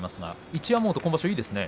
一山本、今場所いいですね。